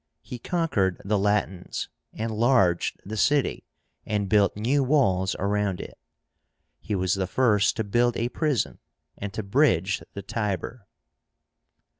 He conquered the Latins, enlarged the city, and built new walls around it. He was the first to build a prison, and to bridge the Tiber.